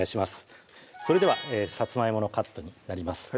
それではさつまいものカットになります